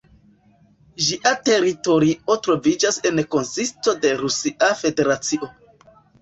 Ĝia teritorio troviĝas en konsisto de Rusia Federacio.